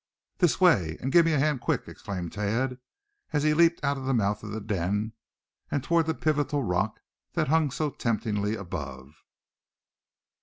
"This way, and give me a hand, quick!" exclaimed Thad, as he leaped out of the mouth of the den, and toward the pivotical rock that hung so temptingly above.